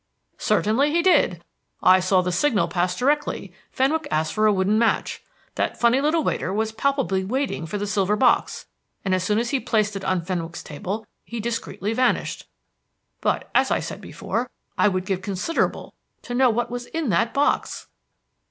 "Certainly, he did. I saw the signal pass directly Fenwick asked for a wooden match; that funny little waiter was palpably waiting for the silver box, and as soon as he placed it on Fenwick's table, he discreetly vanished. But, as I said before, I would give considerable to know what was in that box."